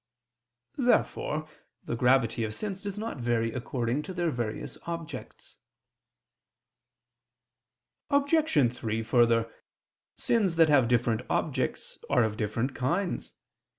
Therefore the gravity of sins does not vary according to their various objects. Obj. 3: Further, sins that have different objects are of different kinds.